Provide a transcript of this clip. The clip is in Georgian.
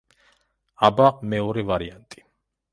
აბა მეორე ვარიანტი.